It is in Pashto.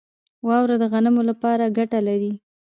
واوره د غنمو لپاره ګټه لري.